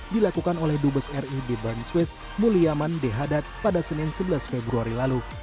dilakukan oleh dubes ri di bern swiss mulyaman dehadat pada senin sebelas februari lalu